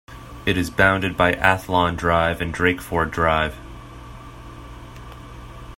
It is bounded by Athllon Drive and Drakeford Drive.